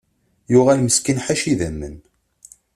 Yuɣal meskin ḥaca idamen.